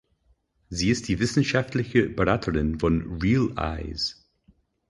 Sie ist die wissenschaftliche Beraterin von "Real Eyes".